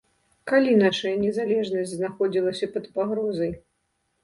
Калі нашая незалежнасць знаходзілася пад пагрозай?